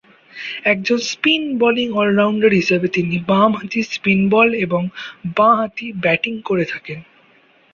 একজন spin bowling allrounder হিসেবে তিনি বাম-হাতি স্পিন বল এবং বা-হাতি ব্যাটিং করে থাকেন।